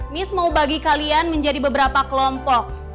mis mau bagi kalian menjadi beberapa kelompok